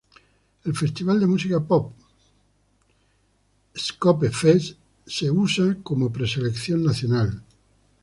El festival de música pop Skopje Fest es usado como preselección nacional.